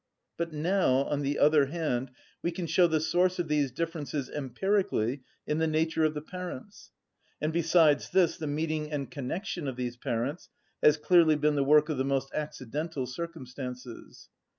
But now, on the other hand, we can show the source of these differences empirically in the nature of the parents; and besides this, the meeting and connection of these parents has clearly been the work of the most accidental circumstances.